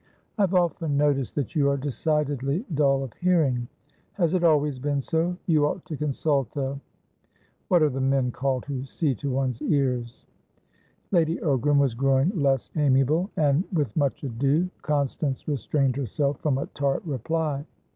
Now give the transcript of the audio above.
"I've often noticed that you are decidedly dull of hearing. Has it always been so? You ought to consult awhat are the men called who see to one's ears?" Lady Ogram was growing less amiable, and with much ado Constance restrained herself from a tart reply.